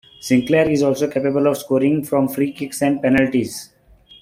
Sinclair is also capable of scoring from free-kicks and penalties.